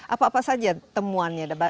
apa apa saja temuannya